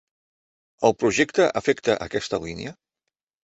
El projecte afecta a aquesta línia?